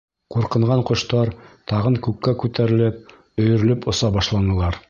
Ҡурҡынған ҡоштар, тағын күккә күтәрелеп, өйөрөлөп оса башланылар.